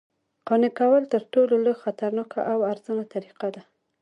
قانع کول تر ټولو لږ خطرناکه او ارزانه طریقه ده